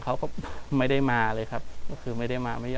กลับมาที่สุดท้ายและกลับมาที่สุดท้าย